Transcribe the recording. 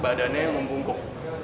badannya yang membungkuk